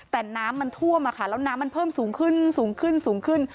แต่น้ำมันท่วมอะค่ะแล้วน้ำมันเพิ่มสูงขึ้นสูงขึ้นสูงขึ้น